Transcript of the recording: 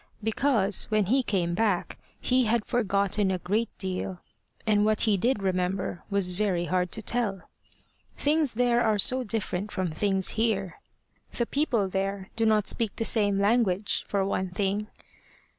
Because, when he came back, he had forgotten a great deal, and what he did remember was very hard to tell. Things there are so different from things here! The people there do not speak the same language for one thing.